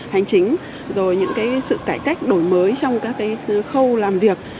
hành chính rồi những sự cải cách đổi mới trong các khâu làm việc